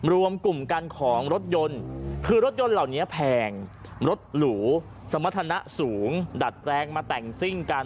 รวมกลุ่มกันของรถยนต์คือรถยนต์เหล่านี้แพงรถหรูสมรรถนะสูงดัดแปลงมาแต่งซิ่งกัน